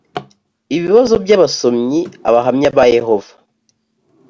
ibibazo by abasomyi abahamya ba yehova